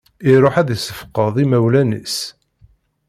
Iruḥ ad issefqed imawlan-is.